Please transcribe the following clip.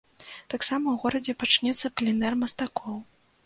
Таксама ў горадзе пачнецца пленэр мастакоў.